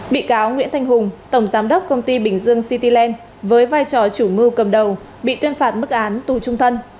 bị cáo nguyễn thanh hùng tổng giám đốc công ty bình dương cityland với vai trò chủ mưu cầm đầu bị tuyên phạt bức án tù trung thân